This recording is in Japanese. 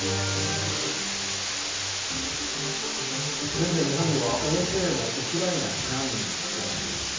現在、日本には大勢のウクライナ避難民が暮らしています。